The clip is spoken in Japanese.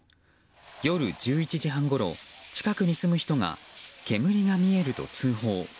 夜１１時半ごろ、近くに住む人が煙が見えると通報。